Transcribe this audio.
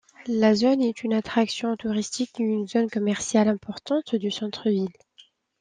La zone est une attraction touristique et une zone commerciale importante du centre-ville.